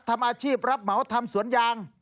ทำอาชีพรับเหมาทำสวนยาง